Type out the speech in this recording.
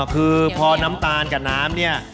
คือพอน้ำตาลกับน้ำเนี่ย